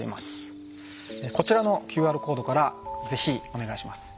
こちらのＱＲコードからぜひお願いします。